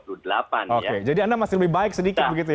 oke jadi anda masih lebih baik sedikit begitu ya